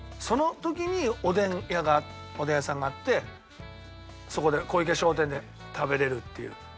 その時におでん屋さんがあってそこで小池商店で食べれるっていう。